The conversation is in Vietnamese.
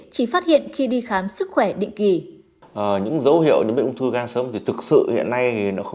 chỉ phát hiện khi đi khám sức khỏe định kỳ